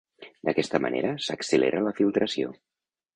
D'aquesta manera s'accelera la filtració.